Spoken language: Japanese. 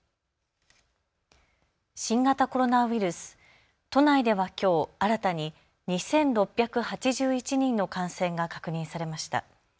新型コロナウイルス、都内ではきょう新たに２６８１人の感染が確認されました。